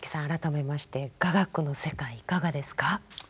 改めまして雅楽の世界いかがですか？